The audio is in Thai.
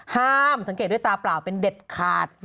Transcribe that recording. ห้ามสังเกตด้วยตาเปล่าเป็นเด็ดขาด